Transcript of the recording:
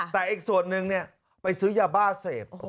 แต่อีกส่วนหนึ่งเนี่ยไปซื้อย่าบ้าเสพ